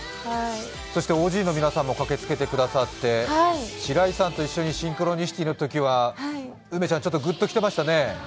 そしてＯＧの皆さんも駆けつけてくださって、白石さんと一緒に「シンクロニシティ」のときは梅ちゃん、ぐっときてましたね。